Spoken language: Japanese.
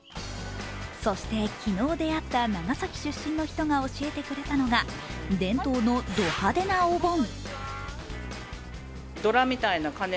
そして昨日出会った長崎出身の人が教えてくれたのが伝統のド派手なお盆。